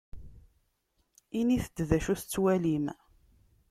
Init-d d acu tettwalim.